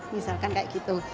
misalkan kayak gitu